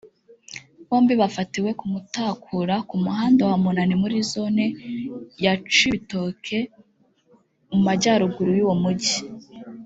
Bombi bafatiwe ku Mutakura ku muhanda wa munani muri zone ya Cibitoke mu Majyaruguru y’uwo mujyi